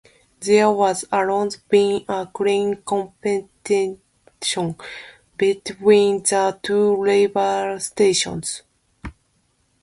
There has always been a clear competition between the two rival stations.